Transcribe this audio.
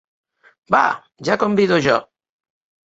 Va, ja convido jo!